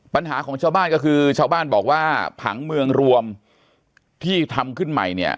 ปัญหาของชาวบ้านก็คือชาวบ้านบอกว่าผังเมืองรวมที่ทำขึ้นใหม่เนี่ย